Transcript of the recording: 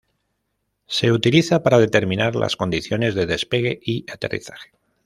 Se utiliza para determinar las condiciones de despegue y aterrizaje.